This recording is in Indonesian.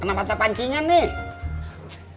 kenapa terpancingan nih